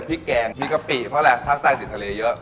พริกแกงมีกะปิเพราะแหละภาคใต้ดินทะเลเยอะ